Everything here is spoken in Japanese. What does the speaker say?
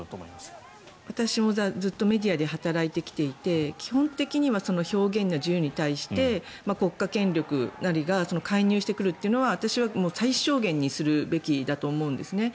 私もずっとメディアで働いてきていて基本的には表現の自由に対して国家権力なりが介入してくるというのは私は最小限にするべきだと思うんですね。